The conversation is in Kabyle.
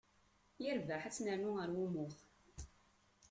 Yerbeḥ, ad tt-nernu ɣer wumuɣ.